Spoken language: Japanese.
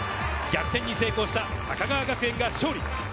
逆転に成功した高川学園が勝利。